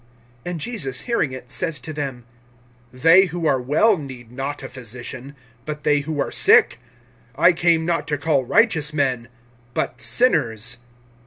(17)And Jesus, hearing it, says to them: They who are well need not a physician, but they who are sick. I came not to call righteous men, but sinners.